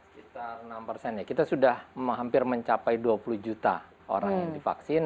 sekitar enam persen ya kita sudah hampir mencapai dua puluh juta orang yang divaksin